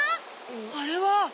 あれは。